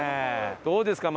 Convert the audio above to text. どうですか？